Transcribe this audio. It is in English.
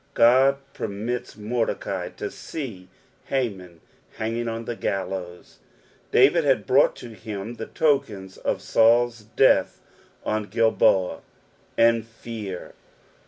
God permits Mordecai to sec Haman hanging; on the gallows. David had brought to him the tokens of Saurs death on Qilboa. " Arid fear."